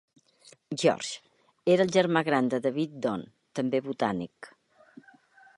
George era el germà gran de David Don, també botànic.